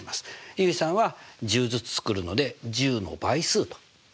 結衣さんは１０ずつ作るので１０の倍数というのを使ってるんですね。